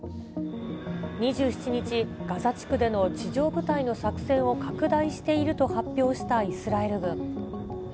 ２７日、ガザ地区での地上部隊の作戦を拡大していると発表したイスラエル軍。